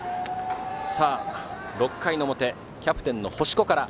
６回の表、キャプテンの星子から。